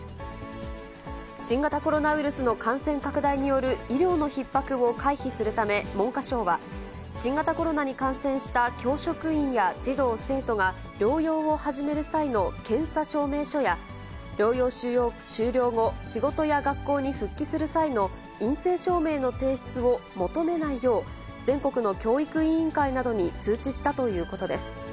新型コロナウイルスの感染拡大による医療のひっ迫を回避するため、文科省は、新型コロナに感染した教職員や児童・生徒が療養を始める際の検査証明書や、療養終了後、仕事や学校に復帰する際の陰性証明の提出を求めないよう、全国の教育委員会などに通知したということです。